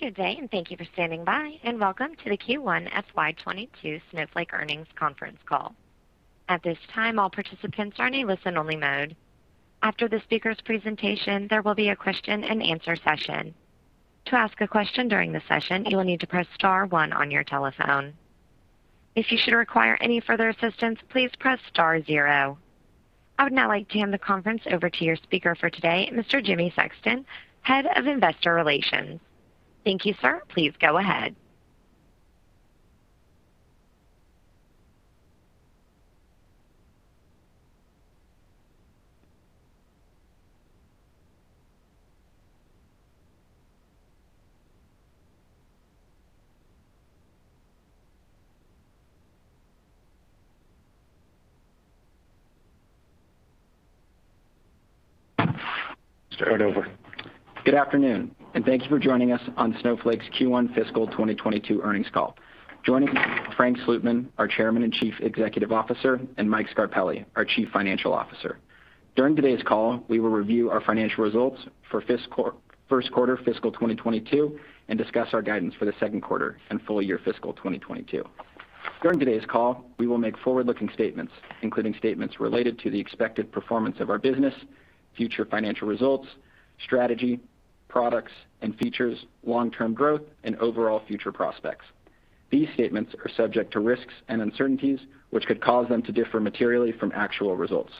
Good day, and thank you for standing by, and welcome to the Q1 FY 2022 Snowflake earnings conference call. At this time, all participants are in a listen-only mode. After the speaker's presentation, there will be a question and answer session. To ask a question during the session, you'll need to press star one on your telephone. If you should require any further assistance, please press star zero. I would now like to hand the conference over to your speaker for today, Mr. Jimmy Sexton, Head of Investor Relations. Thank you, sir. Please go ahead. Start over. Good afternoon, and thank you for joining us on Snowflake's Q1 fiscal 2022 earnings call. Joining me are Frank Slootman, our Chairman and Chief Executive Officer, and Mike Scarpelli, our Chief Financial Officer. During today's call, we will review our financial results for first quarter fiscal 2022, and discuss our guidance for the second quarter and full year fiscal 2022. During today's call, we will make forward-looking statements, including statements related to the expected performance of our business, future financial results, strategy, products, and features, long-term growth, and overall future prospects. These statements are subject to risks and uncertainties, which could cause them to differ materially from actual results.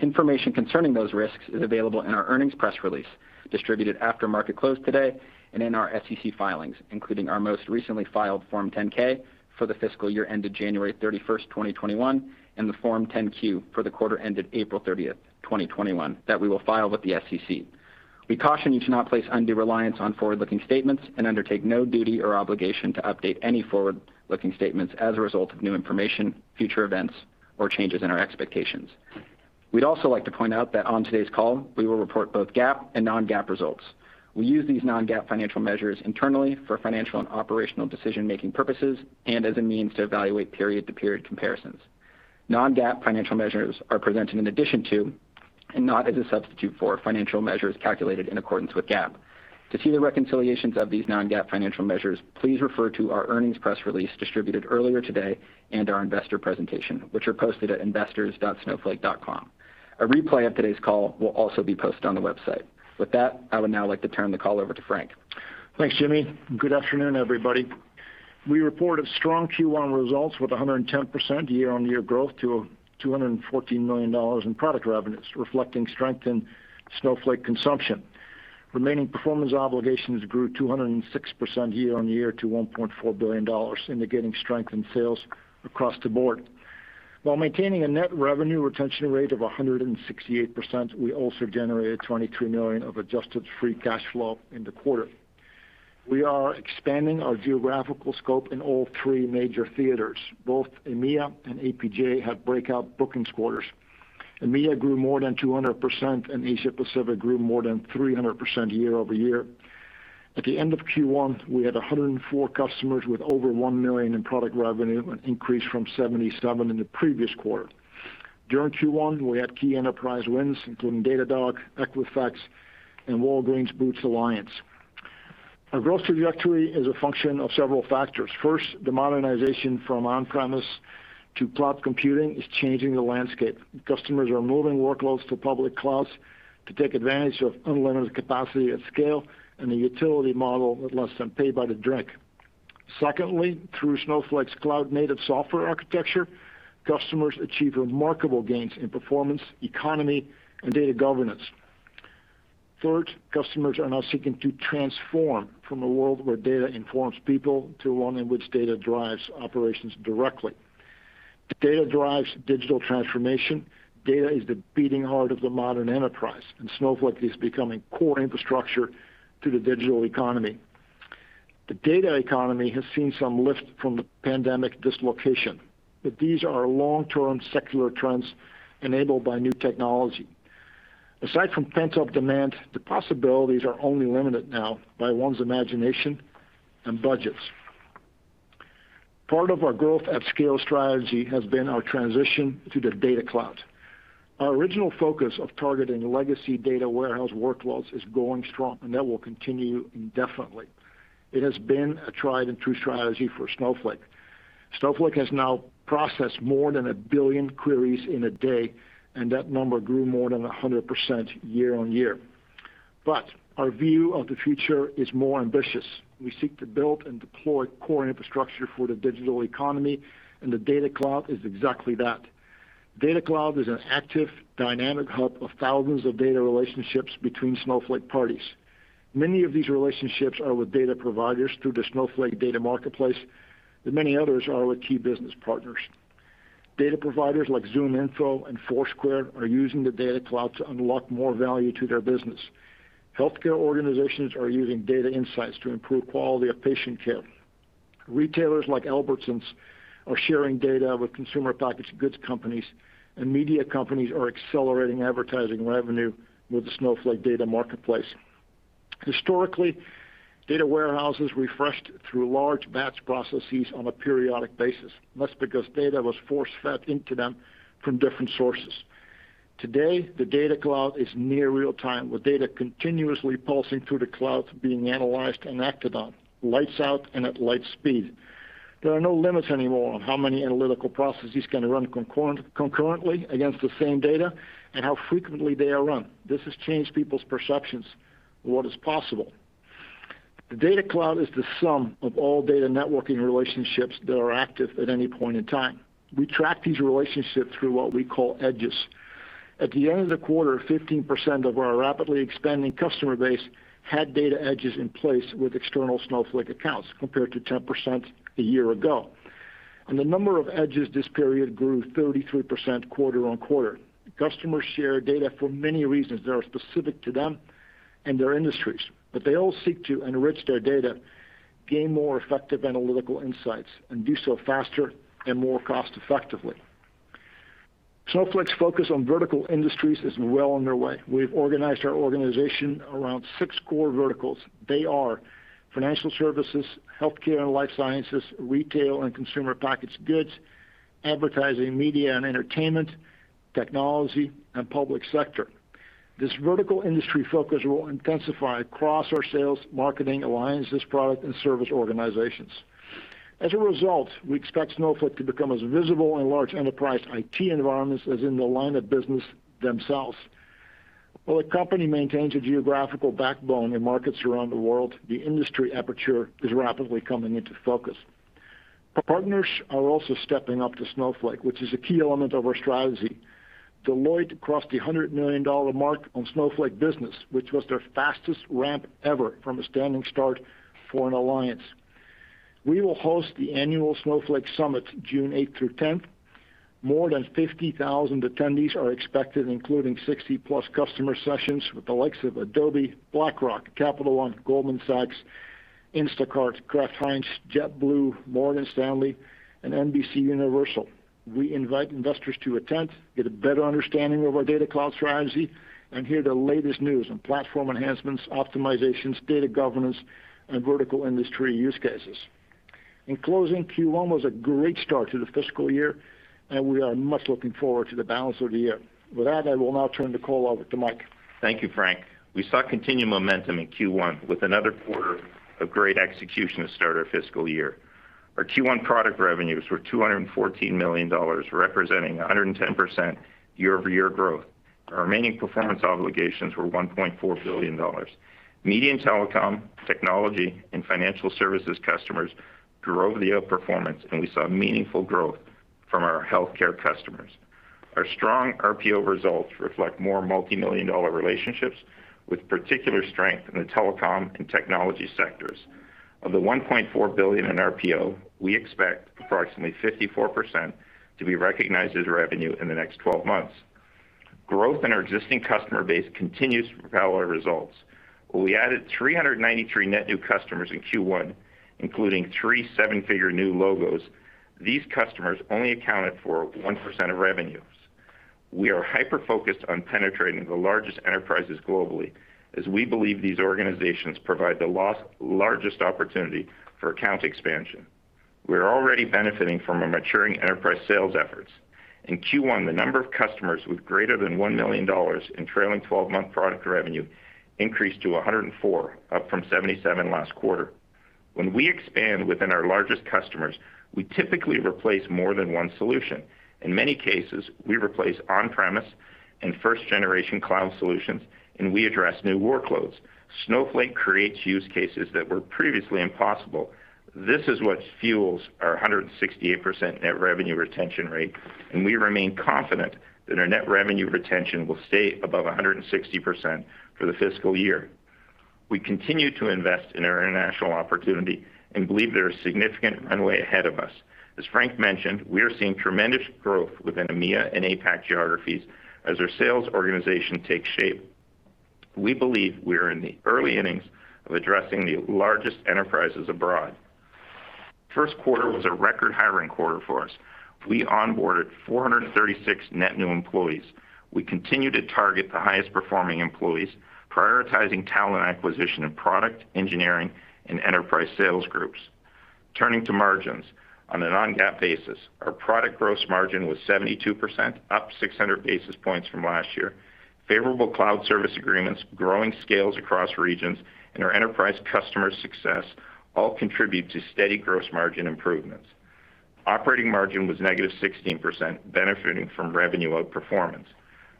Information concerning those risks is available in our earnings press release distributed after market close today, and in our SEC filings, including our most recently filed Form 10-K for the fiscal year ended January 31st, 2021, and the Form 10-Q for the quarter ended April 30th, 2021, that we will file with the SEC. We caution you to not place undue reliance on forward-looking statements and undertake no duty or obligation to update any forward-looking statements as a result of new information, future events, or changes in our expectations. We'd also like to point out that on today's call, we will report both GAAP and non-GAAP results. We use these non-GAAP financial measures internally for financial and operational decision-making purposes, and as a means to evaluate period-to-period comparisons. Non-GAAP financial measures are presented in addition to, and not as a substitute for, financial measures calculated in accordance with GAAP. To see the reconciliations of these non-GAAP financial measures, please refer to our earnings press release distributed earlier today, and our Investor Day presentation, which are posted at investors.snowflake.com. A replay of today's call will also be posted on the website. With that, I would now like to turn the call over to Frank. Thanks, Jimmy. Good afternoon, everybody. We report strong Q1 results with 110% year-on-year growth to $214 million in product revenues, reflecting strength in Snowflake consumption. Remaining performance obligations grew 206% year-on-year to $1.4 billion, indicating strength in sales across the board. While maintaining a net revenue retention rate of 168%, we also generated $23 million of adjusted free cash flow in the quarter. We are expanding our geographical scope in all three major theaters. Both EMEA and APJ had breakout bookings quarters. EMEA grew more than 200%. Asia Pacific grew more than 300% year-over-year. At the end of Q1, we had 104 customers with over $1 million in product revenue, an increase from 77 in the previous quarter. During Q1, we had key enterprise wins, including Datadog, Equifax, and Walgreens Boots Alliance. Our growth trajectory is a function of several factors. First, the modernization from on-premise to cloud computing is changing the landscape. Customers are moving workloads to public clouds to take advantage of unlimited capacity at scale, and the utility model with lets them pay by the drink. Secondly, through Snowflake's cloud-native software architecture, customers achieve remarkable gains in performance, economy, and data governance. Third, customers are now seeking to transform from a world where data informs people to one in which data drives operations directly. Data drives digital transformation. Data is the beating heart of the modern enterprise. Snowflake is becoming core infrastructure to the digital economy. The data economy has seen some lift from the pandemic dislocation. These are long-term secular trends enabled by new technology. Aside from pent-up demand, the possibilities are only limited now by one's imagination and budgets. Part of our growth-at-scale strategy has been our transition to the Data Cloud. Our original focus of targeting legacy data warehouse workloads is going strong, and that will continue indefinitely. It has been a tried-and-true strategy for Snowflake. Snowflake has now processed more than 1 billion queries in a day, and that number grew more than 100% year-on-year. Our view of the future is more ambitious. We seek to build and deploy core infrastructure for the digital economy, and the Data Cloud is exactly that. Data Cloud is an active dynamic hub of thousands of data relationships between Snowflake parties. Many of these relationships are with data providers through the Snowflake Data Marketplace, and many others are with key business partners. Data providers like ZoomInfo and Foursquare are using the Data Cloud to unlock more value to their business. Healthcare organizations are using data insights to improve quality of patient care. Retailers like Albertsons are sharing data with consumer packaged goods companies, and media companies are accelerating advertising revenue with the Snowflake Marketplace. Historically, data warehouses refreshed through large batch processes on a periodic basis. That's because data was force-fed into them from different sources. Today, the Data Cloud is near real-time, with data continuously pulsing through the cloud, being analyzed and acted on, lights out and at light speed. There are no limits anymore on how many analytical processes can run concurrently against the same data, and how frequently they are run. This has changed people's perceptions of what is possible. The Data Cloud is the sum of all data networking relationships that are active at any point in time. We track these relationships through what we call edges. At the end of the quarter, 15% of our rapidly expanding customer base had data edges in place with external Snowflake accounts, compared to 10% a year ago. The number of edges this period grew 33% quarter-over-quarter. Customers share data for many reasons that are specific to them and their industries. They all seek to enrich their data, gain more effective analytical insights, and do so faster and more cost-effectively. Snowflake's focus on vertical industries is well underway. We've organized our organization around six core verticals. They are Financial Services, Healthcare and Life Sciences, Retail and Consumer Packaged Goods, Advertising, Media and Entertainment, Technology, and Public Sector. This vertical industry focus will intensify across our sales, marketing, alliances, product, and service organizations. As a result, we expect Snowflake to become as visible in large enterprise IT environments as in the line of business themselves. While the company maintains a geographical backbone in markets around the world, the industry aperture is rapidly coming into focus. Our partners are also stepping up to Snowflake, which is a key element of our strategy. Deloitte crossed the $100 million mark on Snowflake business, which was their fastest ramp ever from a standing start for an alliance. We will host the annual Snowflake Summit June 8 through 10. More than 50,000 attendees are expected, including 60-plus customer sessions with the likes of Adobe, BlackRock, Capital One, Goldman Sachs, Instacart, Kraft Heinz, JetBlue, Morgan Stanley, and NBCUniversal. We invite investors to attend, get a better understanding of our Data Cloud strategy, and hear the latest news on platform enhancements, optimizations, data governance, and vertical industry use cases. In closing, Q1 was a great start to the fiscal year, and we are much looking forward to the balance of the year. With that, I will now turn the call over to Mike. Thank you, Frank. We saw continued momentum in Q1, with another quarter of great execution to start our fiscal year. Our Q1 product revenues were $214 million, representing 110% year-over-year growth. Our remaining performance obligations were $1.4 billion. Media and telecom, technology, and financial services customers drove the outperformance, and we saw meaningful growth from our healthcare customers. Our strong RPO results reflect more multimillion-dollar relationships, with particular strength in the telecom and technology sectors. Of the $1.4 billion in RPO, we expect approximately 54% to be recognized as revenue in the next 12 months. Growth in our existing customer base continues to propel our results. While we added 393 net new customers in Q1, including 3 seven-figure new logos, these customers only accounted for 1% of revenues. We are hyper-focused on penetrating the largest enterprises globally, as we believe these organizations provide the largest opportunity for account expansion. We are already benefiting from our maturing enterprise sales efforts. In Q1, the number of customers with greater than $1 million in trailing 12-month product revenue increased to 104, up from 77 last quarter. When we expand within our largest customers, we typically replace more than one solution. In many cases, we replace on-premise and first-generation cloud solutions, and we address new workloads. Snowflake creates use cases that were previously impossible. This is what fuels our 168% net revenue retention rate, and we remain confident that our net revenue retention will stay above 160% for the fiscal year. We continue to invest in our international opportunity and believe there is significant runway ahead of us. As Frank mentioned, we are seeing tremendous growth within EMEA and APAC geographies as our sales organization takes shape. We believe we are in the early innings of addressing the largest enterprises abroad. First quarter was a record hiring quarter for us. We onboarded 436 net new employees. We continue to target the highest-performing employees, prioritizing talent acquisition in product, engineering, and enterprise sales groups. Turning to margins. On a non-GAAP basis, our product gross margin was 72%, up 600 basis points from last year. Favorable cloud service agreements, growing scales across regions, and our enterprise customers' success all contribute to steady gross margin improvements. Operating margin was negative 16%, benefiting from revenue outperformance.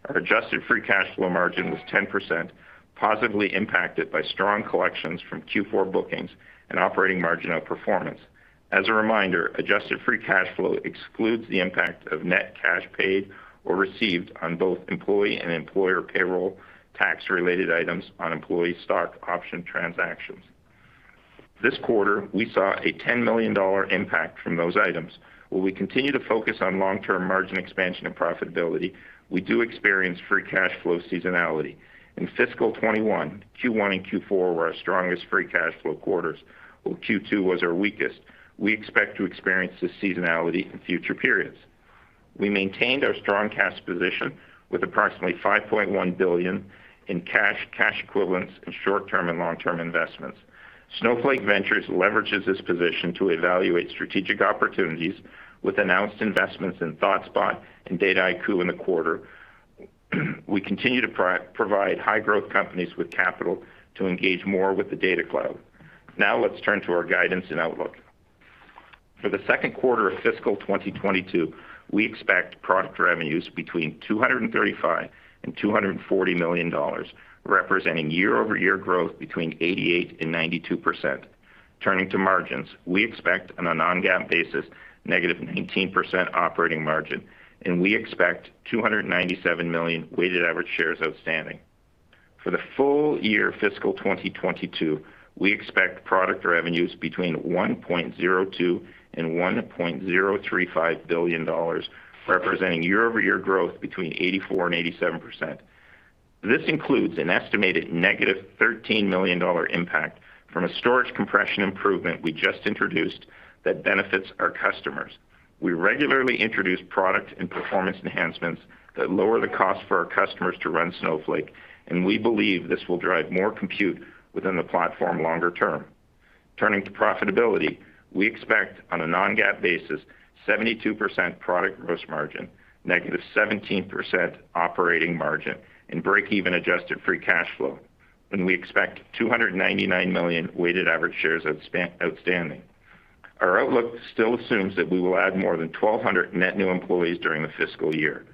Our adjusted free cash flow margin was 10%, positively impacted by strong collections from Q4 bookings and operating margin outperformance. As a reminder, adjusted free cash flow excludes the impact of net cash paid or received on both employee and employer payroll tax-related items on employee stock option transactions. This quarter, we saw a $10 million impact from those items. While we continue to focus on long-term margin expansion and profitability, we do experience free cash flow seasonality. In fiscal 2021, Q1 and Q4 were our strongest free cash flow quarters, while Q2 was our weakest. We expect to experience this seasonality in future periods. We maintained our strong cash position with approximately $5.1 billion in cash equivalents, and short-term and long-term investments. Snowflake Ventures leverages this position to evaluate strategic opportunities. With announced investments in ThoughtSpot and Dataiku in the quarter, we continue to provide high-growth companies with capital to engage more with the Data Cloud. Let's turn to our guidance and outlook. For the second quarter of fiscal 2022, we expect product revenues between $235 million and $240 million, representing year-over-year growth between 88%-92%. Turning to margins, we expect on a non-GAAP basis negative 18% operating margin, and we expect 297 million weighted average shares outstanding. For the full year fiscal 2022, we expect product revenues between $1.02 and $1.035 billion, representing year-over-year growth between 84% and 87%. This includes an estimated negative $13 million impact from a storage compression improvement we just introduced that benefits our customers. We regularly introduce product and performance enhancements that lower the cost for our customers to run Snowflake, and we believe this will drive more compute within the platform longer term. Turning to profitability, we expect on a non-GAAP basis 72% product gross margin, negative 17% operating margin, and breakeven adjusted free cash flow, and we expect 299 million weighted average shares outstanding. Our outlook still assumes that we will add more than 1,200 net new employees during the fiscal year.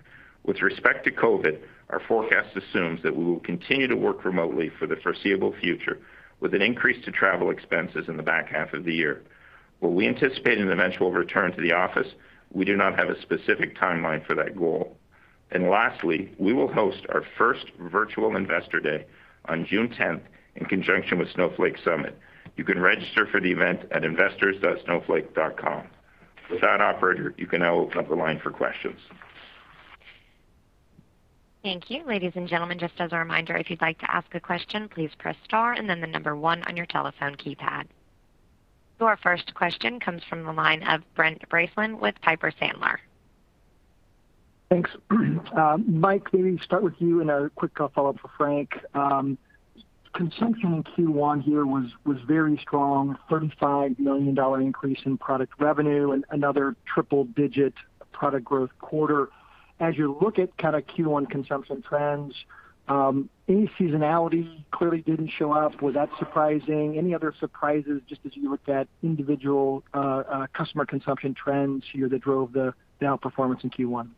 With respect to COVID, our forecast assumes that we will continue to work remotely for the foreseeable future with an increase to travel expenses in the back half of the year. While we anticipate an eventual return to the office, we do not have a specific timeline for that goal. Lastly, we will host our first virtual Investor Day on June 10th in conjunction with Snowflake Summit. You can register for the event at investors.snowflake.com. With that, operator, you can now open up the line for questions. Thank you. Ladies and gentlemen, just as a reminder, if you'd like to ask a question, please press star and then the number one on your telephone keypad. Your first question comes from the line of Brent Bracelin with Piper Sandler. Thanks. Mike, maybe start with you, and a quick follow-up for Frank. Consumption in Q1 here was very strong, $35 million increase in product revenue, another triple-digit product growth quarter. As you look at Q1 consumption trends, any seasonality clearly didn't show up. Was that surprising? Any other surprises just as you look at individual customer consumption trends here that drove the outperformance in Q1?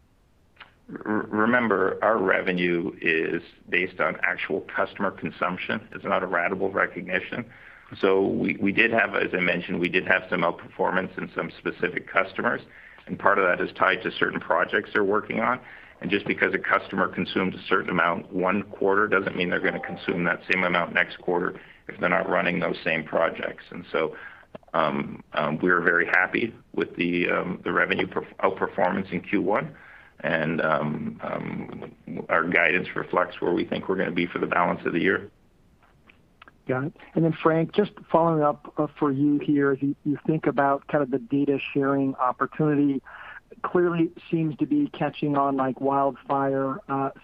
Remember, our revenue is based on actual customer consumption. It's not a ratable recognition. As I mentioned, we did have some outperformance in some specific customers, and part of that is tied to certain projects they're working on. Just because a customer consumes a certain amount one quarter doesn't mean they're going to consume that same amount next quarter if they're not running those same projects. We are very happy with the revenue outperformance in Q1, and our guidance reflects where we think we're going to be for the balance of the year. Got it. Frank, just following up for you here. As you think about the Data Sharing opportunity, clearly it seems to be catching on like wildfire,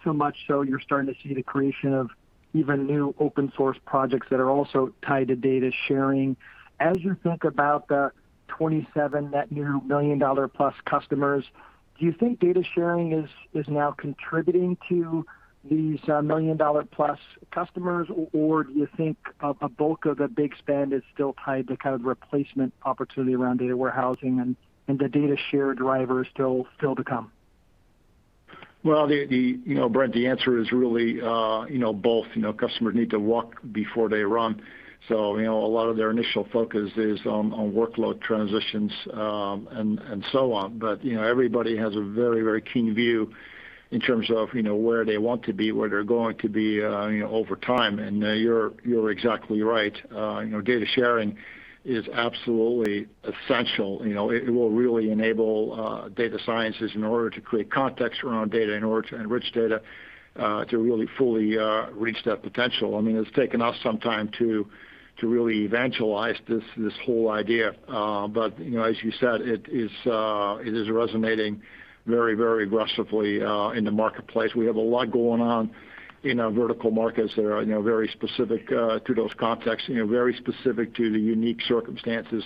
so much so you're starting to see the creation of even new open source projects that are also tied to Data Sharing. As you think about the 27 net new million-dollar-plus customers, do you think Data Sharing is now contributing to these million-dollar-plus customers, or do you think a bulk of the big spend is still tied to replacement opportunity around Data Warehousing, and the Data Share driver is still to come? Brent, the answer is really both. Customers need to walk before they run, so a lot of their initial focus is on workload transitions and so on. Everybody has a very keen view in terms of where they want to be, where they're going to be over time. You're exactly right. Data sharing is absolutely essential. It will really enable data scientists, in order to create context around data, in order to enrich data, to really fully reach that potential. It's taken us some time to really evangelize this whole idea. As you said, it is resonating very aggressively in the marketplace. We have a lot going on in our vertical markets that are very specific to those contexts, very specific to the unique circumstances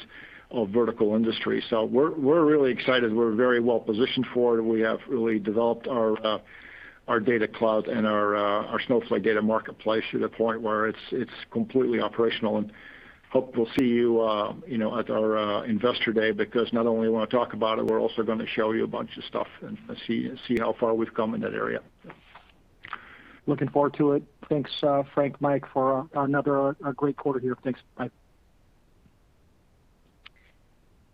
of vertical industries. We're really excited. We're very well-positioned for it. We have really developed our Data Cloud and our Snowflake Data Marketplace to the point where it's completely operational. Hope we'll see you at our Investor Day, because not only we want to talk about it, we're also going to show you a bunch of stuff, and see how far we've come in that area. Looking forward to it. Thanks, Frank, Mike, for another great quarter here. Thanks. Bye.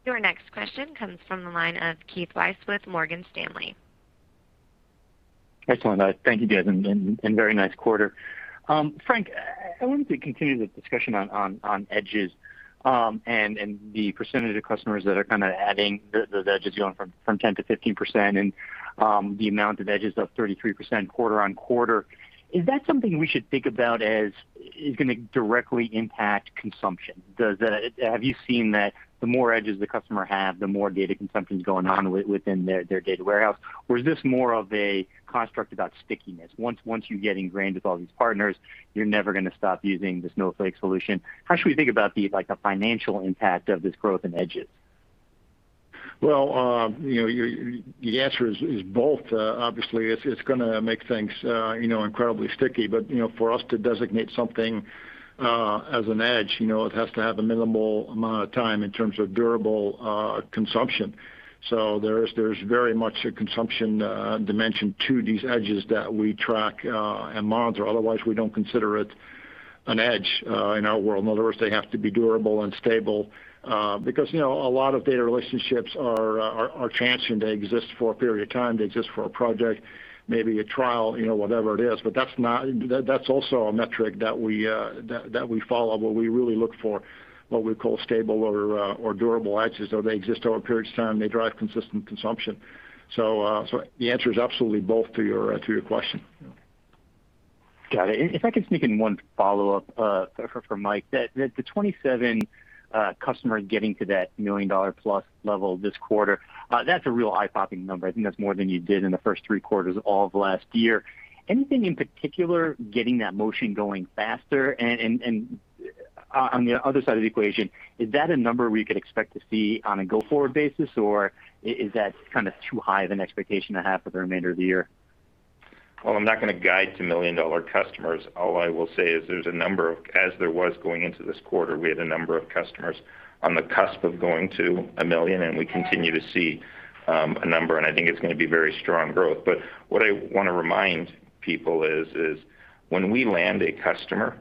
Your next question comes from the line of Keith Weiss with Morgan Stanley. Excellent. Thank you, guys, and very nice quarter. Frank, I wanted to continue the discussion on edges and the percentage of customers that are adding the edges going from 10% to 15%, and the amount of edges up 33% quarter-on-quarter. Is that something we should think about as going to directly impact consumption? Have you seen that the more edges the customer have, the more data consumption is going on within their data warehouse? Or is this more of a construct about stickiness? Once you get ingrained with all these partners, you're never going to stop using the Snowflake solution. How should we think about the financial impact of this growth in edges? The answer is both. Obviously, it's going to make things incredibly sticky. For us to designate something as an edge, it has to have a minimal amount of time in terms of durable consumption. There's very much a consumption dimension to these edges that we track and monitor. Otherwise, we don't consider it an edge in our world. In other words, they have to be durable and stable. A lot of data relationships are transient. They exist for a period of time. They exist for a project, maybe a trial, whatever it is. That's also a metric that we follow, what we really look for, what we call stable or durable edges. They exist over a period of time. They drive consistent consumption. The answer is absolutely both to your question. Got it. If I could sneak in one follow-up for Mike. The 27 customers getting to that $1 million-plus level this quarter, that's a real eye-popping number. I think that's more than you did in the first three quarters all of last year. Anything in particular getting that motion going faster? On the other side of the equation, is that a number we could expect to see on a go-forward basis, or is that too high of an expectation to have for the remainder of the year? Well, I'm not going to guide to million-dollar customers. All I will say is, as there was going into this quarter, we had a number of customers on the cusp of going to $1 million, and we continue to see a number, and I think it's going to be very strong growth. What I want to remind people is when we land a customer,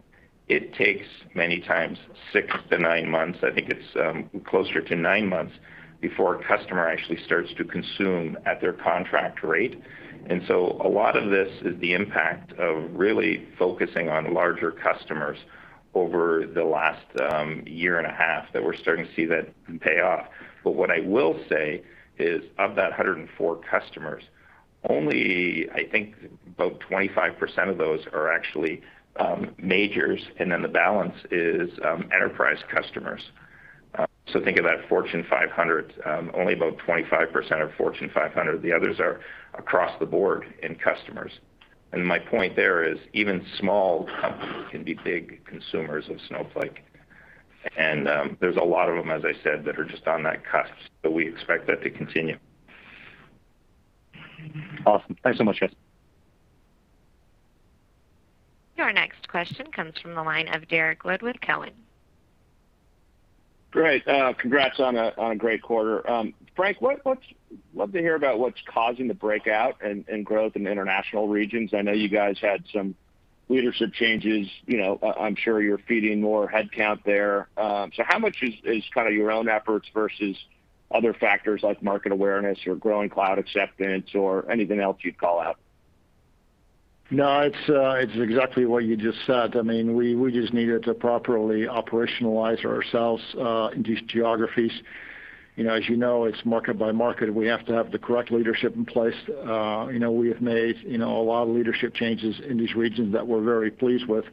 it takes many times six to nine months. I think it's closer to nine months before a customer actually starts to consume at their contract rate. A lot of this is the impact of really focusing on larger customers over the last year and a half that we're starting to see that pay off. What I will say is of that 104 customers, only I think about 25% of those are actually majors, and then the balance is enterprise customers. Think of that Fortune 500, only about 25% are Fortune 500. The others are across the board in customers. My point there is even small companies can be big consumers of Snowflake, and there's a lot of them, as I said, that are just on that cusp. We expect that to continue. Awesome. Thanks so much, guys. Your next question comes from the line of Derrick Wood with Cowen. Great. Congrats on a great quarter. Frank, love to hear about what's causing the breakout and growth in international regions. I know you guys had some leadership changes. I'm sure you're feeding more headcount there. How much is your own efforts versus other factors like market awareness or growing cloud acceptance or anything else you'd call out? No, it's exactly what you just said. We just needed to properly operationalize ourselves in these geographies. As you know, it's market by market. We have to have the correct leadership in place. We have made a lot of leadership changes in these regions that we're very pleased with.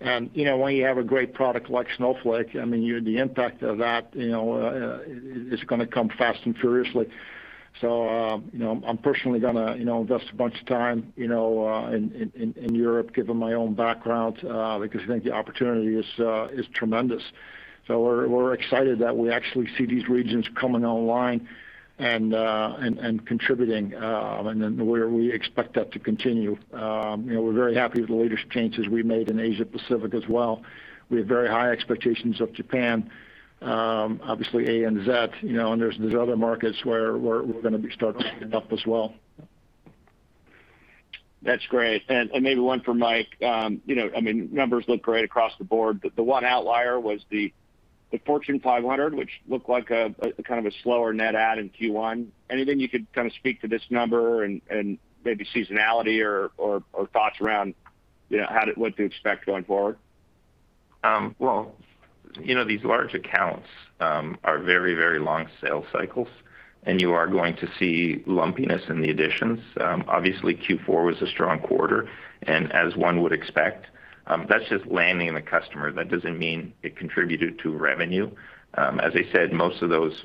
When you have a great product like Snowflake, the impact of that is going to come fast and furiously. I'm personally going to invest a bunch of time in Europe, given my own background, because I think the opportunity is tremendous. We're excited that we actually see these regions coming online and contributing, and we expect that to continue. We're very happy with the leadership changes we made in Asia Pacific as well. We have very high expectations of Japan, obviously ANZ, and there's other markets where we're going to be starting to ramp up as well. That's great. Maybe one for Mike. Numbers look great across the board, but the one outlier was the Fortune 500, which looked like a slower net add in Q1. Anything you could speak to this number and maybe seasonality or thoughts around what to expect going forward? Well, these large accounts are very, very long sales cycles, and you are going to see lumpiness in the additions. Obviously, Q4 was a strong quarter, and as one would expect, that's just landing the customer. That doesn't mean it contributed to revenue. As I said, most of those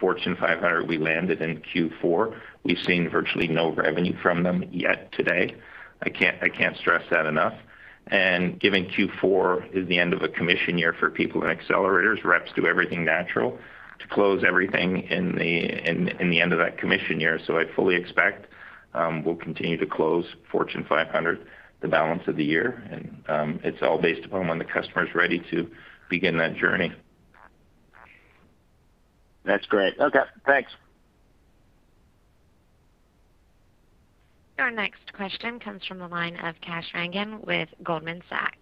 Fortune 500 we landed in Q4. We've seen virtually no revenue from them yet today. I can't stress that enough. Given Q4 is the end of the commission year for people in accelerators, reps do everything they naturally to close everything in the end of that commission year. I fully expect we'll continue to close Fortune 500 the balance of the year, and it's all based upon when the customer's ready to begin that journey. That's great. Okay, thanks. Our next question comes from the line of Kash Rangan with Goldman Sachs.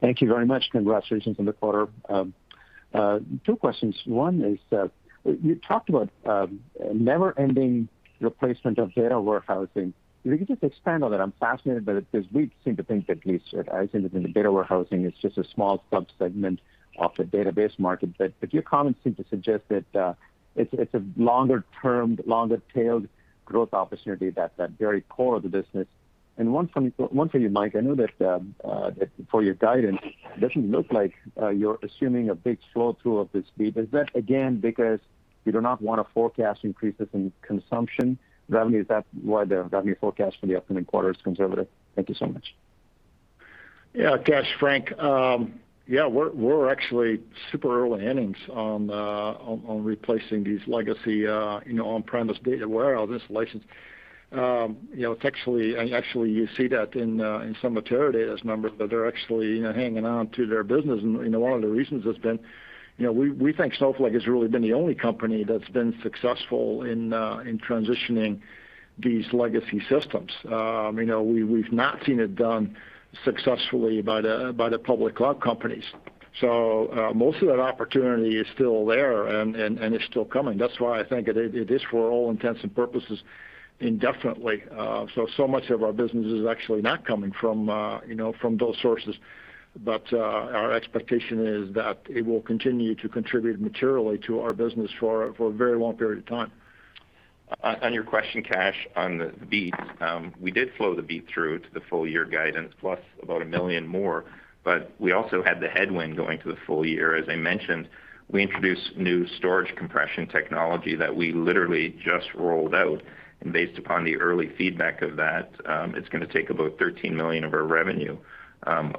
Thank you very much. Congratulations on the quarter. Two questions. One is that you talked about a never-ending replacement of data warehousing. Can you just expand on that? I'm fascinated by it because we seem to think that at least, I think that the data warehousing is just a small sub-segment of the database market. Your comments seem to suggest that it's a longer-term, longer-tailed growth opportunity at that very core of the business. One for you, Mike, I know that for your guidance, it doesn't look like you're assuming a big flow through of this lead. Is that, again, because you do not want to forecast increases in consumption revenue? Is that why the revenue forecast for the upcoming quarter is conservative? Thank you so much. Yeah. Kash, Frank. Yeah, we're actually super early innings on replacing these legacy on-premise data warehouse installations. Actually, you see that in some material Teradata numbers that are actually hanging on to their business. One of the reasons has been, we think Snowflake has really been the only company that's been successful in transitioning these legacy systems. We've not seen it done successfully by the public cloud companies. Most of that opportunity is still there, and it's still coming. That's why I think it is, for all intents and purposes, indefinitely. Much of our business is actually not coming from those sources. Our expectation is that it will continue to contribute materially to our business for a very long period of time. On your question, Kash, on the beat. We did flow the beat through to the full-year guidance, plus about $1 million more, but we also had the headwind going to the full year. As I mentioned, we introduced new storage compression technology that we literally just rolled out. Based upon the early feedback of that, it's going to take about $13 million of our revenue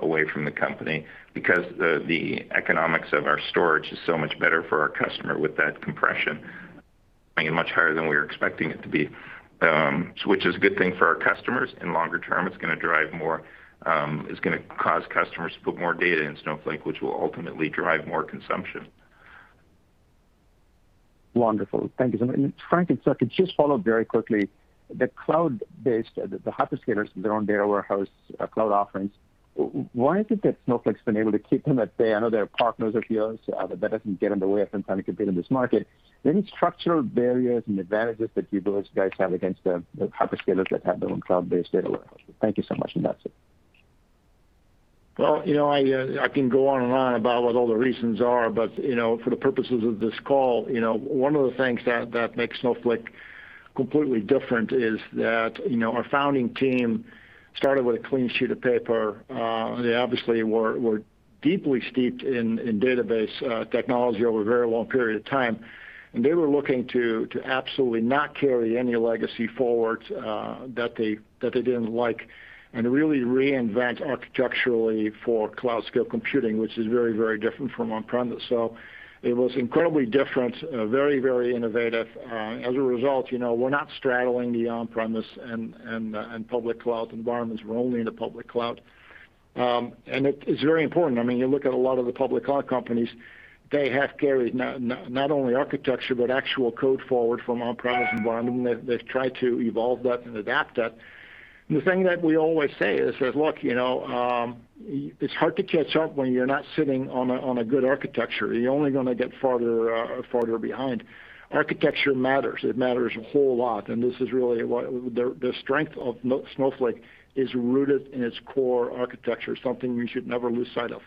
away from the company, because the economics of our storage is so much better for our customer with that compression. Much higher than we were expecting it to be. Which is a good thing for our customers. In longer term, it's going to cause customers to put more data in Snowflake, which will ultimately drive more consumption. Wonderful. Thank you. Frank, if I could just follow very quickly. The cloud-based, the hyperscalers, their own data warehouse cloud offerings, why is it that Snowflake's been able to keep them at bay? I know they're partners of yours. That doesn't get in the way of them trying to compete in this market. Any structural barriers and advantages that you guys have against the hyperscalers that have their own cloud-based data warehouse? Thank you so much, and that's it. Well, I can go on and on about what all the reasons are, but for the purposes of this call, one of the things that makes Snowflake completely different is that our founding team started with a clean sheet of paper. They obviously were deeply steeped in database technology over a very long period of time, and they were looking to absolutely not carry any legacy forward that they didn't like, and really reinvent architecturally for cloud scale computing, which is very different from on-premise. It was incredibly different. Very innovative. As a result, we're not straddling the on-premise and public cloud environments. We're only in the public cloud. It is very important. You look at a lot of the public cloud companies, they have carried not only architecture, but actual code forward from on-premise environment, and they've tried to evolve that and adapt that. The thing that we always say is, "Look, it's hard to catch up when you're not sitting on a good architecture. You're only going to get farther behind." Architecture matters. It matters a whole lot. This is really why the strength of Snowflake is rooted in its core architecture, something we should never lose sight of.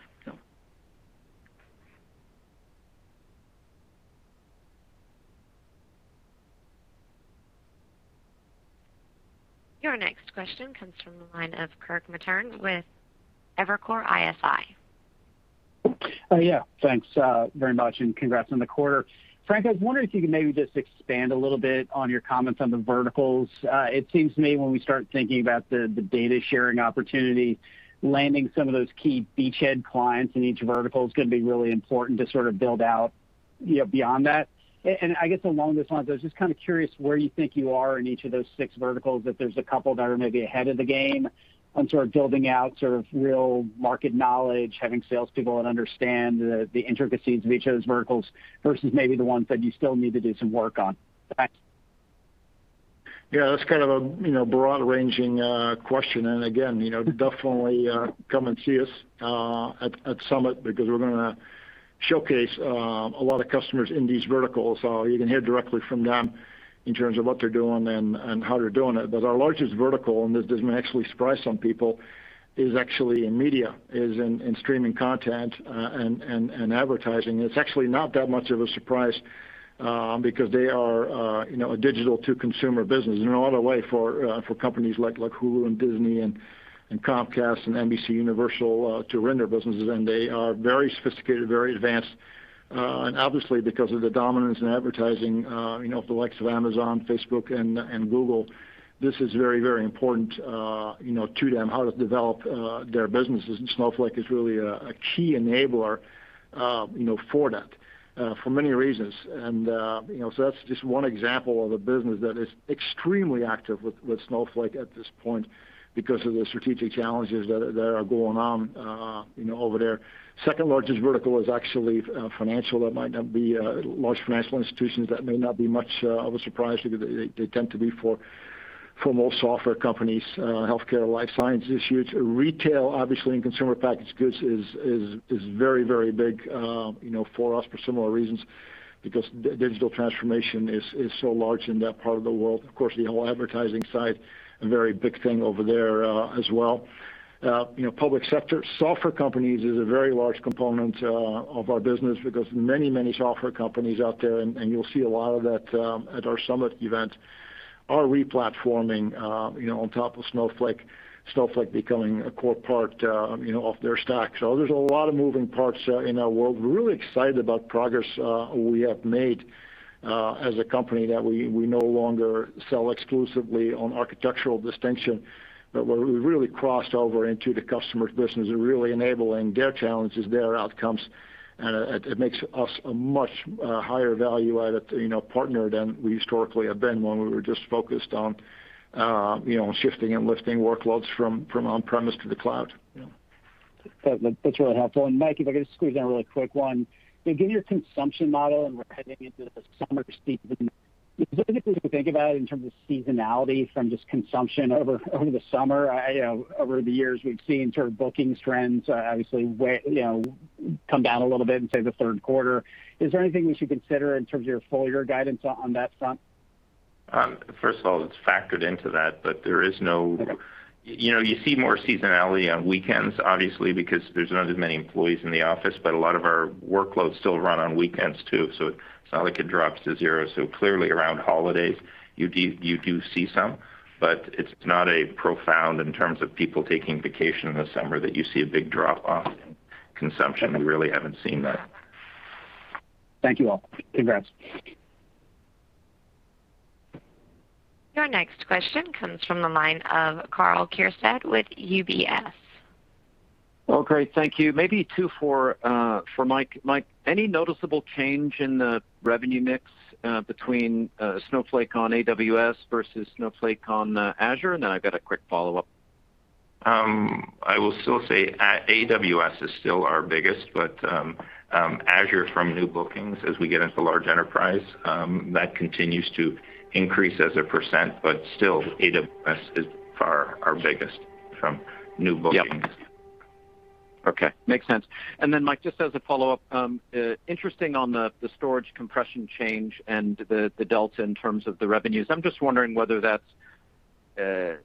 Your next question comes from the line of Kirk Materne with Evercore ISI. Yeah. Thanks very much, and congrats on the quarter. Frank, I was wondering if you could maybe just expand a little bit on your comments on the verticals. It seems to me when we start thinking about the data sharing opportunity, landing some of those key beachhead clients in each vertical is going to be really important to sort of build out beyond that. I guess along those lines, I was just kind of curious where you think you are in each of those six verticals. That there's a couple that are maybe ahead of the game on sort of building out sort of real market knowledge, having salespeople that understand the intricacies of each of those verticals, versus maybe the ones that you still need to do some work on. Thanks. Yeah. That's kind of a broad-ranging question. Again, definitely come and see us at Snowflake Summit, because we're going to showcase a lot of customers in these verticals. You can hear directly from them in terms of what they're doing and how they're doing it. Our largest vertical, and this may actually surprise some people, is actually in media, is in streaming content and advertising. It's actually not that much of a surprise, because they are a digital-to-consumer business. They're all the way for companies like Hulu and Disney and Comcast and NBCUniversal to run their businesses. They are very sophisticated, very advanced. Obviously because of the dominance in advertising, the likes of Amazon, Facebook, and Google, this is very important to them, how to develop their businesses. Snowflake is really a key enabler for that for many reasons. That's just one example of a business that is extremely active with Snowflake at this point because of the strategic challenges that are going on over there. Second largest vertical is actually financial. Large financial institutions, that may not be much of a surprise because they tend to be for most software companies. Healthcare, life science is huge. Retail, obviously, and consumer packaged goods is very big for us for similar reasons. Because digital transformation is so large in that part of the world. Of course, the whole advertising side, a very big thing over there as well. Public sector. Software companies is a very large component of our business because many software companies out there, and you'll see a lot of that at our Snowflake Summit event. Are replatforming on top of Snowflake becoming a core part of their stack? There's a lot of moving parts in our world. We're really excited about progress we have made as a company, that we no longer sell exclusively on architectural distinction, that we really crossed over into the customer's business and really enabling their challenges, their outcomes. It makes us a much higher value-added partner than we historically have been when we were just focused on shifting and lifting workloads from on-premise to the cloud. Yeah. That's really helpful. Mike, if I could squeeze in a really quick one. Given your consumption model, and we're heading into the summer season, is there anything to think about in terms of seasonality from just consumption over the summer? I know over the years, we've seen sort of bookings trends obviously come down a little bit into the third quarter. Is there anything we should consider in terms of your full-year guidance on that front? First of all, it's factored into that. You see more seasonality on weekends, obviously, because there's not as many employees in the office, but a lot of our workloads still run on weekends, too. It's not like it drops to zero. Clearly around holidays, you do see some, but it's not a profound in terms of people taking vacation in the summer that you see a big drop-off in consumption. We really haven't seen that. Thank you all. Congrats. Your next question comes from the line of Karl Keirstead with UBS. Oh, great. Thank you. Maybe two for Mike. Mike, any noticeable change in the revenue mix between Snowflake on AWS versus Snowflake on Azure? I got a quick follow-up. I will still say AWS is still our biggest, but Azure from new bookings as we get into large enterprise, that continues to increase as a percent, but still AWS is far our biggest from new bookings. Yeah. Okay. Makes sense. Then Mike, just as a follow-up, interesting on the storage compression change and the delta in terms of the revenues. I'm just wondering whether that's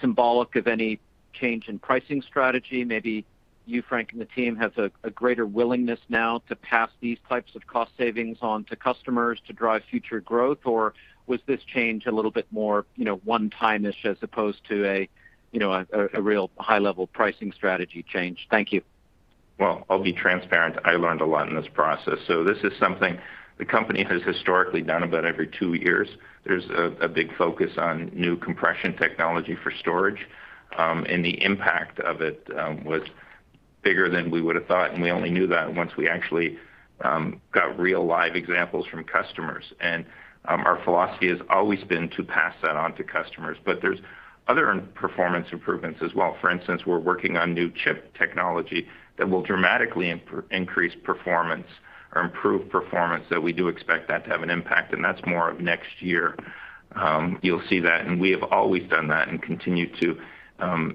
symbolic of any change in pricing strategy. Maybe you, Frank, and the team have a greater willingness now to pass these types of cost savings on to customers to drive future growth, was this change a little bit more one-timeness as opposed to a real high-level pricing strategy change? Thank you. Well, I'll be transparent. I learned a lot in this process. This is something the company has historically done about every two years. There's a big focus on new compression technology for storage, and the impact of it was bigger than we would've thought, and we only knew that once we actually got real live examples from customers. Our philosophy has always been to pass that on to customers. There's other performance improvements as well. For instance, we're working on new chip technology that will dramatically increase performance or improve performance that we do expect that to have an impact. That's more of next year, you'll see that, and we have always done that and continue to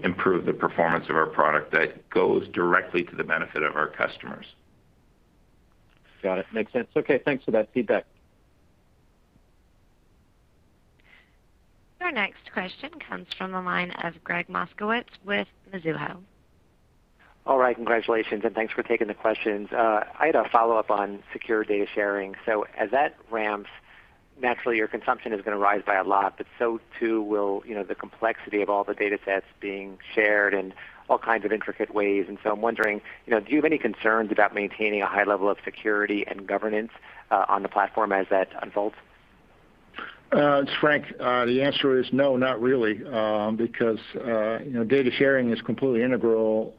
improve the performance of our product that goes directly to the benefit of our customers. Got it. Makes sense. Okay, thanks for that feedback. Our next question comes from the line of Gregg Moskowitz with Mizuho. All right. Congratulations, and thanks for taking the questions. I had a follow-up on secure data sharing. As that ramps, naturally your consumption is going to rise by a lot, but so too will the complexity of all the data sets being shared in all kinds of intricate ways. I'm wondering, do you have any concerns about maintaining a high level of security and governance on the platform as that unfolds? It's Frank. The answer is no, not really, because data sharing is completely integral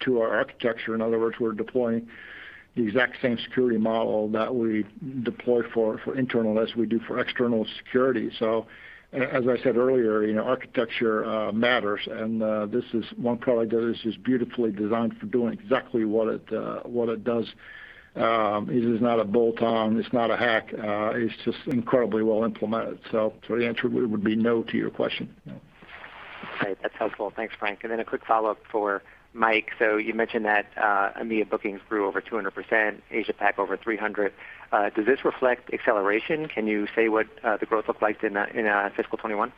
to our architecture. In other words, we're deploying the exact same security model that we deploy for internal as we do for external security. As I said earlier, architecture matters, and this is one product that is just beautifully designed for doing exactly what it does. It is not a bolt-on, it's not a hack. It's just incredibly well implemented. The answer really would be no to your question. All right. That's helpful. Thanks, Frank. A quick follow-up for Mike. You mentioned that EMEA bookings grew over 200%, Asia Pac over 300%. Does this reflect acceleration? Can you say what the growth looked like in fiscal 2021?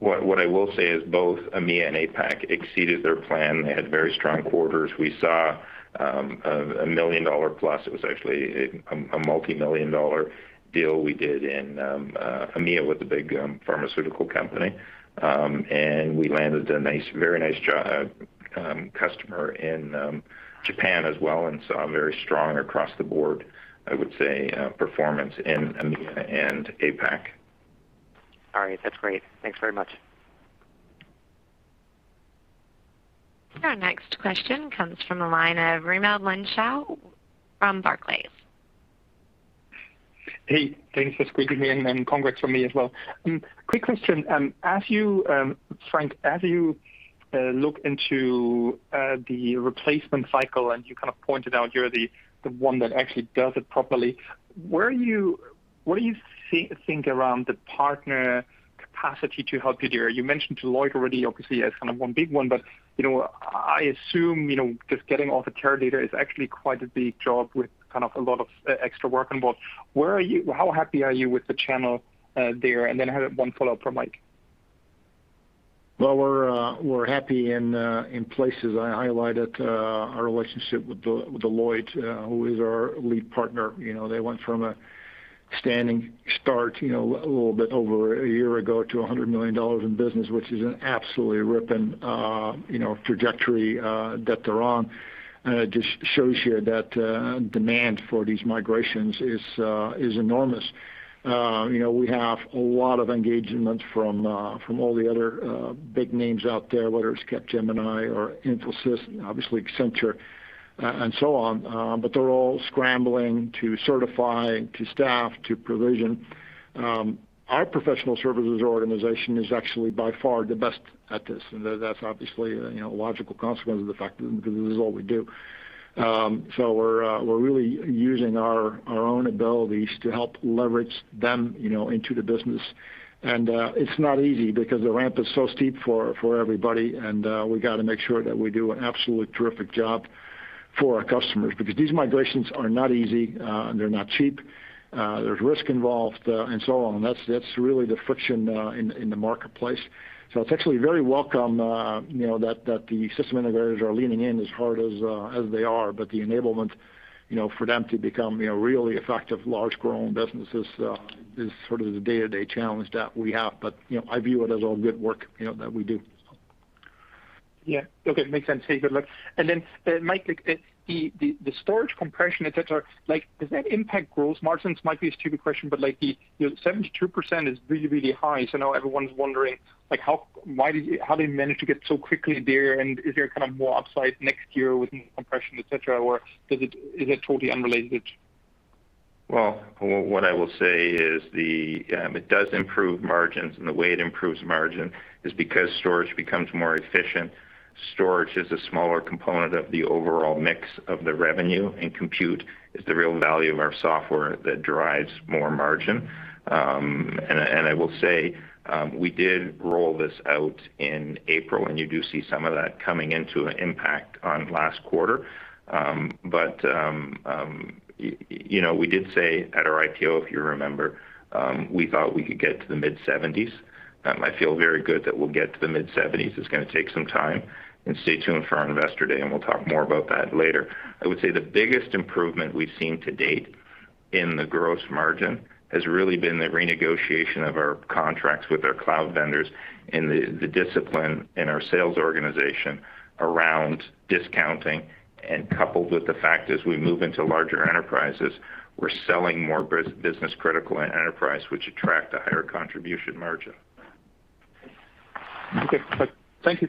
What I will say is both EMEA and APAC exceeded their plan. They had very strong quarters. We saw a $1 million-plus, it was actually a multimillion-dollar deal we did in EMEA with a big pharmaceutical company. We landed a very nice customer in Japan as well. Very strong across the board, I would say, performance in EMEA and APAC. All right. That's great. Thanks very much. Our next question comes from the line of Raimo Lenschow from Barclays. Hey, thanks for squeezing me in, and congrats from me as well. Quick question. Frank, as you look into the replacement cycle, and you pointed out you're the one that actually does it properly, what do you think around the partner capacity to help you there? You mentioned Deloitte already, obviously, as one big one, but I assume, just getting off Teradata there is actually quite a big job with a lot of extra work involved. How happy are you with the channel there? One follow-up for Mike. Well, we're happy in places. I highlighted our relationship with Deloitte, who is our lead partner. They went from a standing start a little bit over a year ago to $100 million in business, which is an absolutely ripping trajectory that they're on. It just shows you that demand for these migrations is enormous. We have a lot of engagement from all the other big names out there, whether it's Capgemini or Infosys, obviously Accenture, and so on. They're all scrambling to certify, to staff, to provision. Our professional services organization is actually by far the best at this, and that's obviously a logical consequence of the fact that this is what we do. We're really using our own abilities to help leverage them into the business. It's not easy because the ramp is so steep for everybody, and we've got to make sure that we do an absolutely terrific job for our customers because these migrations are not easy, and they're not cheap. There's risk involved, and so on. That's really the friction in the marketplace. It's actually very welcome that the system integrators are leaning in as hard as they are. The enablement for them to become really effective, large-grown businesses is sort of the day-to-day challenge that we have. I view it as all good work that we do. Yeah. Okay. Makes sense. Thank you very much. Then, Mike, the storage compression, et cetera, does that impact gross margins? Might be a stupid question, the 72% is really, really high. Now everyone's wondering how they managed to get so quickly there, and if they're more upside next year with more compression, et cetera, or is it totally unrelated? What I will say is it does improve margins, and the way it improves margin is because storage becomes more efficient. Storage is a smaller component of the overall mix of the revenue. Compute is the real value of our software that drives more margin. I will say, we did roll this out in April, and you do see some of that coming into an impact on last quarter. We did say at our IPO, if you remember, we thought we could get to the mid-70s. I feel very good that we'll get to the mid-70s. It's going to take some time. Stay tuned for our Investor Day. We'll talk more about that later. I would say the biggest improvement we've seen to date in the gross margin has really been the renegotiation of our contracts with our cloud vendors and the discipline in our sales organization around discounting. Coupled with the fact as we move into larger enterprises, we're selling more business-critical and enterprise, which attract a higher contribution margin. Okay. Thank you.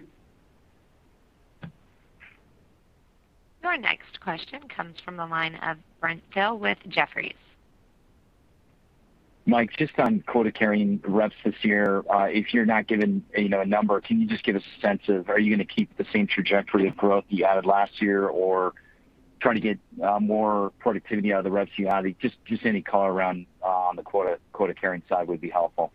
Our next question comes from the line of Brent Thill with Jefferies. Mike, just on quota-carrying reps this year. If you're not giving a number, can you just give us a sense of, are you going to keep the same trajectory of growth you had last year or try to get more productivity out of the reps you have? Just any color around on the quota-carrying side would be helpful.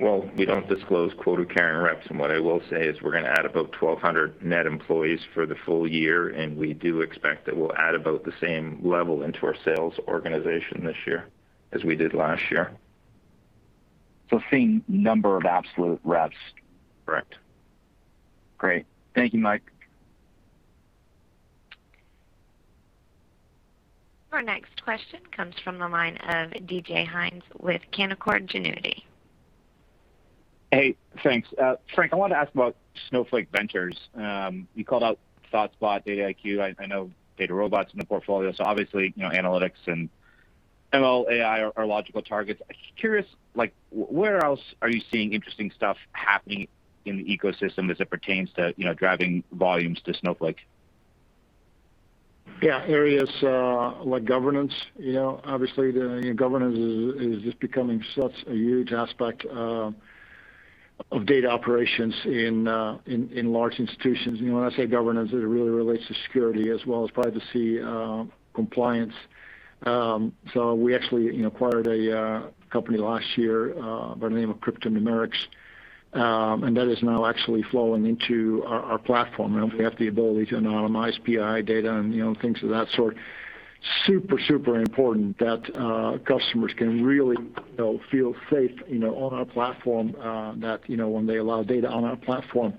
Thanks. Well, we don't disclose quota-carrying reps, and what I will say is we're going to add about 1,200 net employees for the full year, and we do expect that we'll add about the same level into our sales organization this year as we did last year. Same number of absolute reps? Correct. Great. Thank you, Mike. Our next question comes from the line of DJ Hynes with Canaccord Genuity. Hey, thanks. Frank, I want to ask about Snowflake Ventures. You called out ThoughtSpot, Dataiku. I know DataRobot's in the portfolio, so obviously, analytics and ML, AI are logical targets. Curious, where else are you seeing interesting stuff happening in the ecosystem as it pertains to driving volumes to Snowflake? Yeah, areas like governance. Obviously, governance is just becoming such a huge aspect of data operations in large institutions. When I say governance, it really relates to security as well as privacy compliance. We actually acquired a company last year by the name of CryptoNumerics, and that is now actually flowing into our platform, and we have the ability to anonymize PII data and things of that sort. Super important that customers can really feel safe on our platform, that when they allow data on our platform,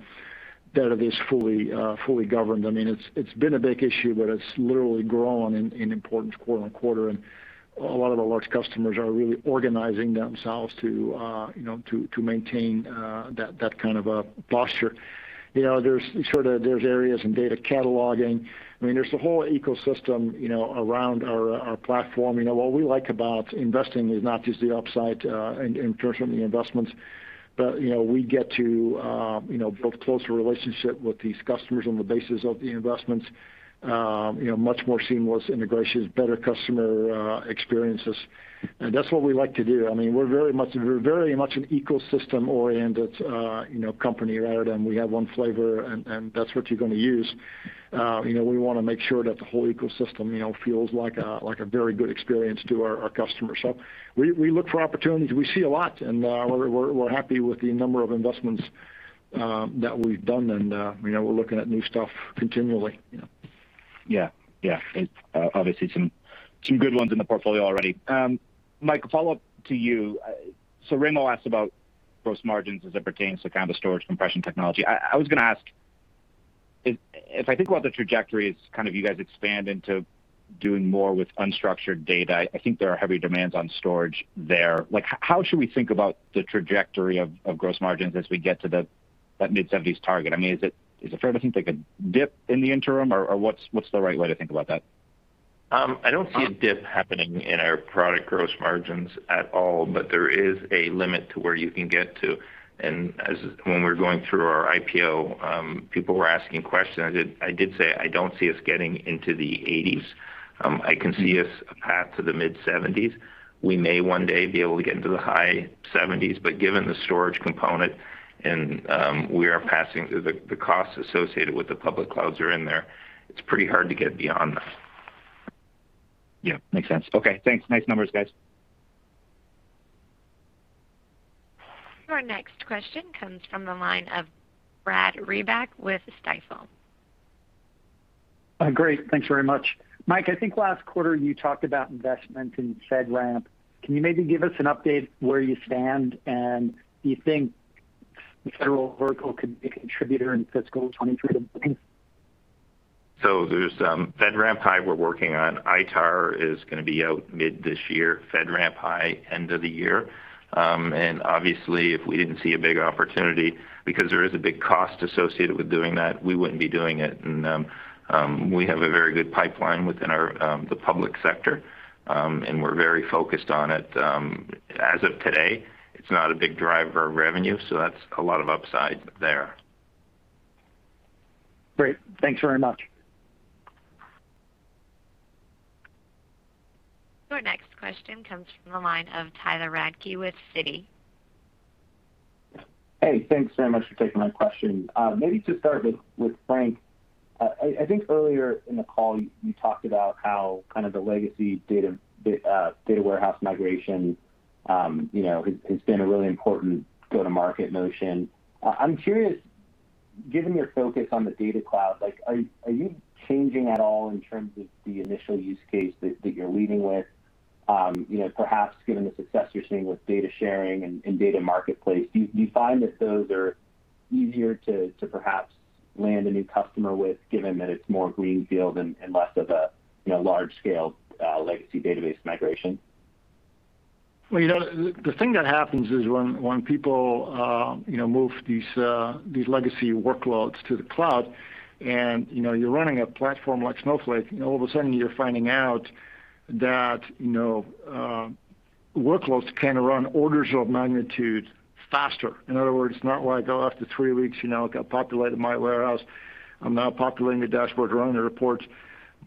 that it is fully governed. It's been a big issue, but it's literally grown in importance quarter on quarter, a lot of the large customers are really organizing themselves to maintain that kind of a posture. There's areas in data cataloging. There's a whole ecosystem around our platform. What we like about investing is not just the upside in terms of the investments, but we get to build closer relationships with these customers on the basis of the investments, much more seamless integrations, better customer experiences. That's what we like to do. We're very much an ecosystem-oriented company rather than we have one flavor and that's what you're going to use. We want to make sure that the whole ecosystem feels like a very good experience to our customers. We look for opportunities. We see a lot, and we're happy with the number of investments that we've done, and we're looking at new stuff continually. Yeah. Obviously some good ones in the portfolio already. Mike, a follow-up to you. Raimo asked about gross margins as it pertains to kind of storage compression technology. I was going to ask, if I think about the trajectory as you guys expand into doing more with unstructured data, I think there are heavy demands on storage there. How should we think about the trajectory of gross margins as we get to that mid-70s target? Is it fair to think they could dip in the interim, or what's the right way to think about that? I don't see a dip happening in our product gross margins at all. There is a limit to where you can get to. As when we were going through our IPO, people were asking questions. I did say I don't see us getting into the 80s. I can see us a path to the mid-70s. We may one day be able to get into the high 70s. Given the storage component, we are passing through the costs associated with the public clouds are in there, it's pretty hard to get beyond that. Yeah. Makes sense. Okay, thanks. Nice numbers, guys. Our next question comes from the line of Brad Reback with Stifel. Great. Thanks very much. Mike, I think last quarter you talked about investment in FedRAMP. Can you maybe give us an update where you stand, and do you think the federal vertical could be a contributor in fiscal 2023 to bookings? There's FedRAMP High we're working on. ITAR is going to be out mid this year, FedRAMP High, end of the year. Obviously if we didn't see a big opportunity, because there is a big cost associated with doing that, we wouldn't be doing it. We have a very good pipeline within the public sector, and we're very focused on it. As of today, it's not a big driver of revenue, so that's a lot of upside there. Great. Thanks very much. Our next question comes from the line of Tyler Radke with Citi. Hey, thanks very much for taking my question. Maybe to start with Frank, I think earlier in the call you talked about how kind of the legacy data warehouse migration has been a really important go-to-market motion. I'm curious, given your focus on the Data Cloud, are you changing at all in terms of the initial use case that you're leading with? Perhaps given the success you're seeing with data sharing and Snowflake Marketplace, do you find that those are easier to perhaps land a new customer with, given that it's more greenfield and less of a large-scale legacy database migration? The thing that happens is when people move these legacy workloads to the cloud, and you're running a platform like Snowflake, all of a sudden you're finding out that workloads can run orders of magnitude faster. In other words, not like, Oh, after three weeks, I've populated my warehouse, I'm now populating the dashboard to run the reports.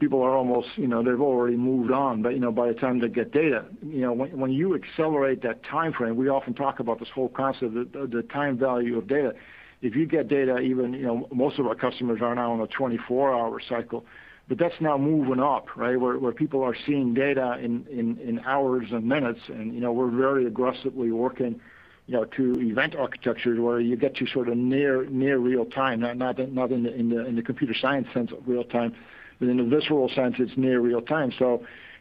People, they've already moved on by the time they get data. When you accelerate that timeframe, we often talk about this whole concept of the time value of data. If you get data. Most of our customers are now on a 24-hour cycle, but that's now moving up, right? Where people are seeing data in hours and minutes, and we're very aggressively working to event architectures where you get to sort of near real-time, not in the computer science sense of real-time, but in the visceral sense, it's near real-time.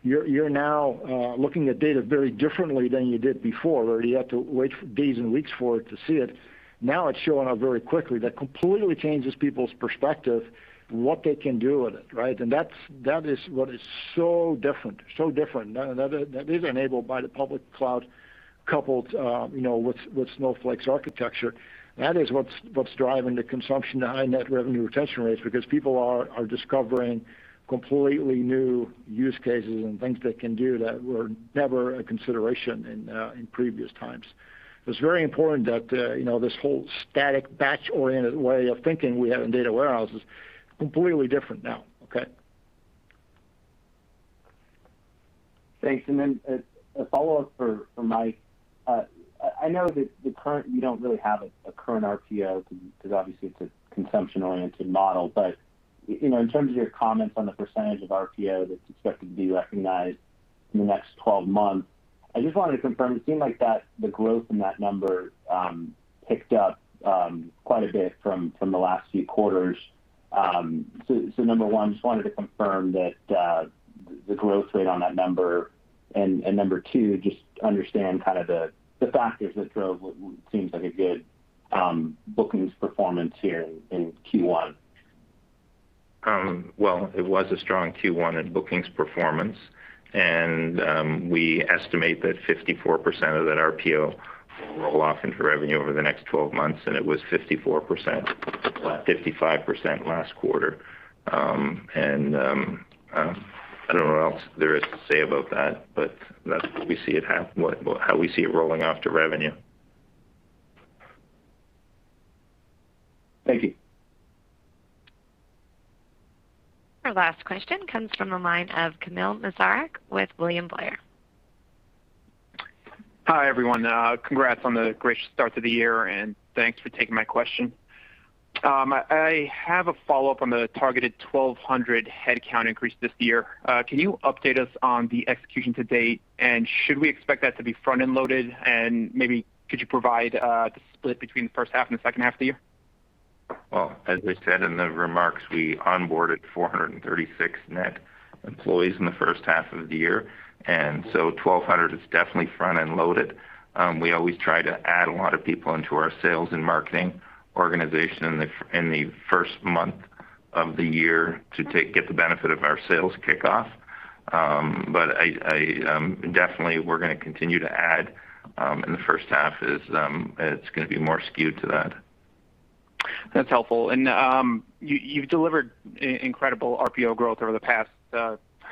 You're now looking at data very differently than you did before, where you had to wait for days and weeks for it to see it. Now it's showing up very quickly. That completely changes people's perspective, what they can do with it, right? That is what is so different. That is enabled by the public cloud coupled with Snowflake's architecture. That is what's driving the consumption, the high net revenue retention rates, because people are discovering completely new use cases and things they can do that were never a consideration in previous times. It's very important that this whole static batch-oriented way of thinking we have in data warehouses, completely different now. Okay. Thanks. A follow-up for Mike Scarpelli. I know that you don't really have a current RPO because obviously it's a consumption-oriented model. In terms of your comments on the percentage of RPO that's expected to be recognized in the next 12 months, I just wanted to confirm, it seemed like the growth in that number picked up quite a bit from the last few quarters. Number one, just wanted to confirm the growth rate on that number. Number two, just to understand kind of the factors that drove what seems like a good bookings performance here in Q1. Well, it was a strong Q1 in bookings performance. We estimate that 54% of that RPO will roll off into revenue over the next 12 months, and it was 54%, 55% last quarter. I don't know what else there is to say about that, but that's how we see it rolling off to revenue. Thank you. Our last question comes from the line of Kamil Mielczarek with William Blair. Hi, everyone. Congrats on the great start to the year, and thanks for taking my question. I have a follow-up on the targeted 1,200 headcount increase this year. Can you update us on the execution to date, and should we expect that to be front-end loaded, and maybe could you provide the split between the first half and the second half of the year? Well, as I said in the remarks, we onboarded 436 net employees in the first half of the year. 1,200 is definitely front-end loaded. We always try to add a lot of people into our sales and marketing organization in the first month of the year to get the benefit of our sales kickoff. Definitely, we're going to continue to add in the first half. It's going to be more skewed to that. That's helpful. You've delivered incredible RPO growth over the past,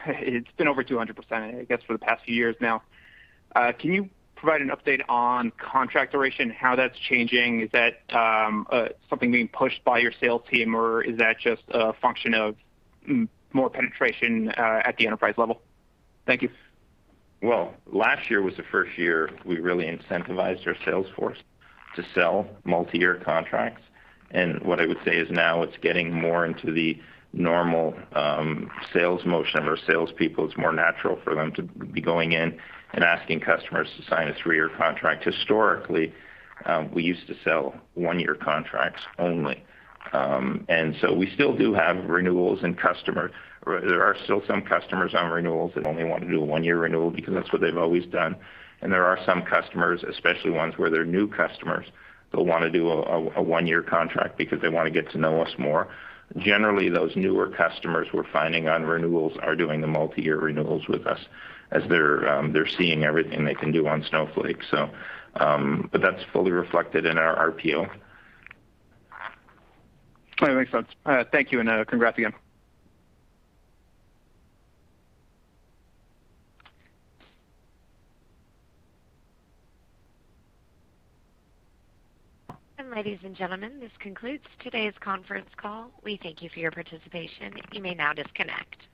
it's been over 200%, I guess, for the past few years now. Can you provide an update on contract duration, how that's changing? Is that something being pushed by your sales team, or is that just a function of more penetration at the enterprise level? Thank you. Well, last year was the first year we really incentivized our sales force to sell multi-year contracts. What I would say is now it's getting more into the normal sales motion of our salespeople. It's more natural for them to be going in and asking customers to sign a three-year contract. Historically, we used to sell one-year contracts only. We still do have renewals. There are still some customers on renewals that only want to do a one-year renewal because that's what they've always done. There are some customers, especially ones where they're new customers, they'll want to do a one-year contract because they want to get to know us more. Generally, those newer customers we're finding on renewals are doing the multi-year renewals with us as they're seeing everything they can do on Snowflake. That's fully reflected in our RPO. That makes sense. Thank you, and congrats again. Ladies and gentlemen, this concludes today's conference call. We thank you for your participation. You may now disconnect.